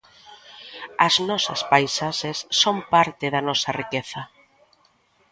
As nosas paisaxes son parte da nosa riqueza.